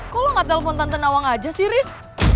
kalau gak telpon tante nawang aja sih riz